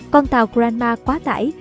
con tàu granma quá tải